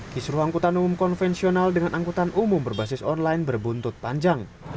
kisru angkutan umum konvensional dengan angkutan umum berbasis online berbuntut panjang